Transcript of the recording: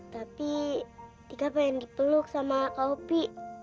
tapi tika pengen dipeluk sama kak opi